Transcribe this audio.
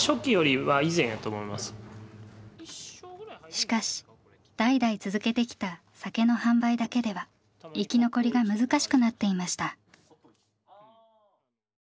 しかし代々続けてきた酒の販売だけでは生き残りが難しくなっていました。